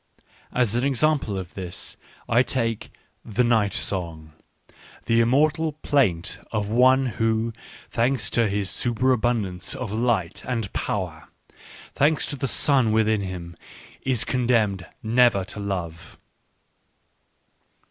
As an example of this I take " The Night Song," — the immortal plaint of one who, thanks to his superabundance of light and power, thanks to the sun within him, is condemned never to love.